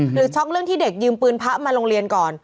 ช็อกเรื่องที่เด็กยืมปืนพระมาโรงเรียนก่อน